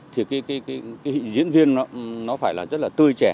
thì cái diễn viên nó phải là rất là tươi trẻ